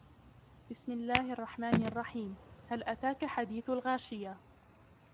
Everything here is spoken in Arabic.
بسم الله الرحمن الرحيم هل أتاك حديث الغاشية